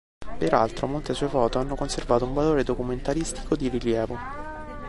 Peraltro, molte sue foto hanno conservato un valore documentaristico di rilievo.